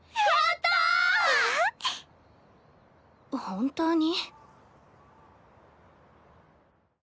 本当に？